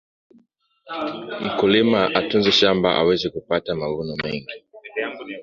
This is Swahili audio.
mkulima atunze shamba aweze kupata mavuno mengi